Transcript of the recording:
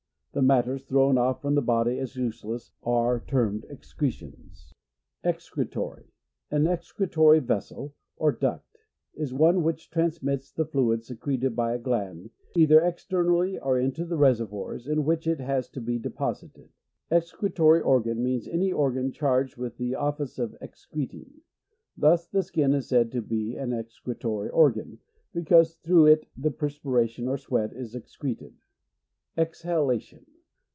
The matters thrown off from the body as useless, are termed excretions. Excretory. — An excretory vessel, or duct, is one which transmits the fluid secreted by a gland, tither ex ternally or into the reservoirs, in which it has to be deposited. Ex cretory organ means any organ charged with the office of excre ting : thus, the skin is said to be an excretory organ, because through it the perspiration or sweat is ex creted. Exhalation.